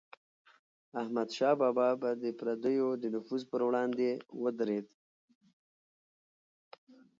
احمدشاه بابا به د پردیو د نفوذ پر وړاندې ودرید.